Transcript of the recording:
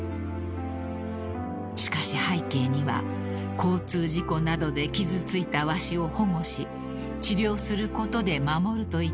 ［しかし背景には交通事故などで傷ついたワシを保護し治療することで守るといった活動の支えがあるのです］